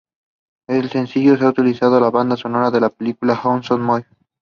The film has gained positive reviews and has won several awards and nominations.